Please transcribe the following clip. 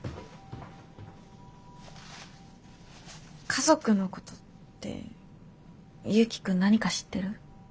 家族のことって祐樹君何か知ってる？